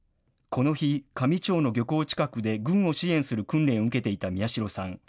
この日、香美町の漁港近くで軍を支援する訓練を受けていた宮代さん。